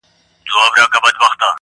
عالمونو زنده باد نارې وهلې.!